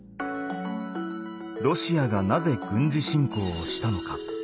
ロシアがなぜ軍事侵攻をしたのか？